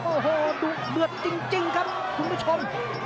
โอ้โหดุเดือดจริงครับคุณผู้ชม